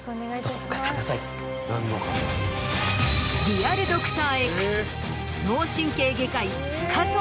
リアルドクターＸ。